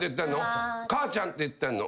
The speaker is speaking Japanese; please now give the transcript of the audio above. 「母ちゃん」って言ってんの。